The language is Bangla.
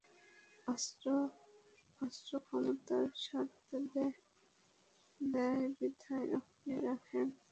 অস্ত্র ক্ষমতার স্বাদ দেয় বিধায় আপনি রাখেন মনে হয়।